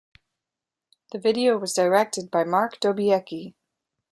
The video was directed by Marc Dobiecki.